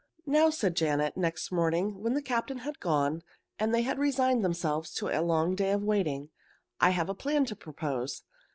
"Now," said Janet, next morning, when the captain had gone and they had resigned themselves to a long day of waiting, "I have a plan to propose.